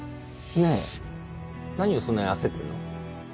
ねえ何をそんなに焦ってるの？